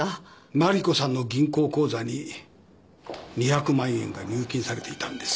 麻里子さんの銀行口座に２００万円が入金されていたんです。